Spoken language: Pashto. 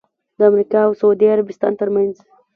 د امریکا اوسعودي عربستان ترمنځ